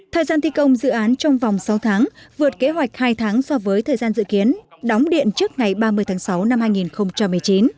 thời gian thi công dự án trong vòng sáu tháng vượt kế hoạch hai tháng so với thời gian dự kiến đóng điện trước ngày ba mươi tháng sáu năm hai nghìn một mươi chín